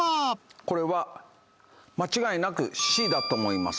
これは間違いなくＣだと思います